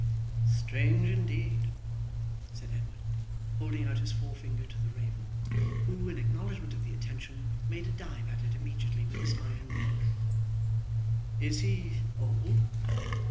'Strange indeed!' said Edward, holding out his forefinger to the raven, who, in acknowledgment of the attention, made a dive at it immediately with his iron bill. 'Is he old?